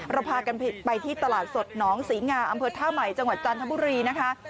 เราพากันไปที่ตลาดสดหนองศรีงาอำเภอท่าใหม่จังหวัดจันทบุรีนะคะ